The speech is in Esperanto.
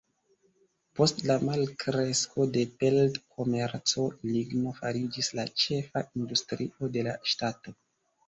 Post la malkresko de pelt-komerco, ligno fariĝis la ĉefa industrio de la ŝtato.